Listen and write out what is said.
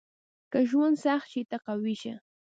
• که ژوند سخت شي، ته قوي شه.